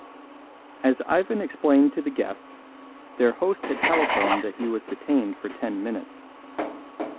As Ivan explained to the guests, their host had telephoned that he was detained for ten minutes.